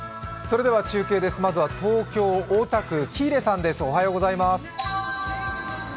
中継です、まずは東京・大田区、喜入さんです。